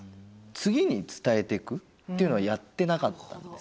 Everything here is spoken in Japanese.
次に伝えていくっていうのをやってなかった。